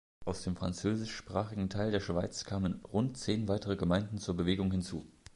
Aus dem französisch-sprachigen Teil der Schweiz kamen rund zehn weitere Gemeinden zur Bewegung hinzu.